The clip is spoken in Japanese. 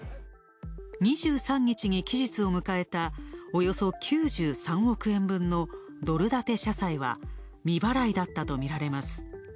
２３日に期日を迎えたおよそ９３億円分のドル建て社債は、未払いだったとみられます。